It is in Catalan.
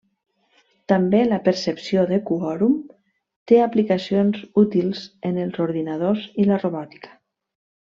També la percepció de quòrum té aplicacions útils en els ordinadors i la robòtica.